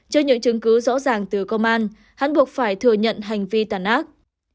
trước những chứng cứ rõ ràng từ công an hắn buộc phải thừa nhận hành vi tàn ác